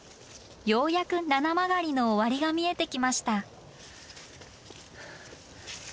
ようやく七曲りの終わりが見えてきました。